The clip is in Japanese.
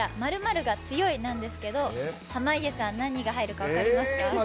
○○が強いなんですけど濱家さん、何が入るか分かりますか？